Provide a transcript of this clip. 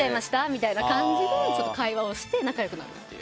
みたいな感じで会話をして仲良くなるっていう。